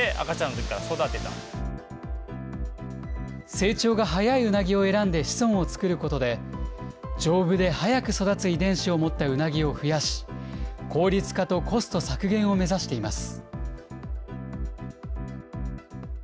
成長が早いうなぎを選んで子孫を作ることで、丈夫で早く育つ遺伝子を持ったうなぎを増やし、効率化とコスト削減を目指しています。